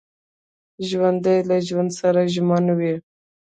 ژوندي له ژوند سره ژمن وي